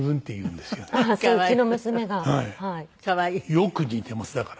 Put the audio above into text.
よく似ていますだから。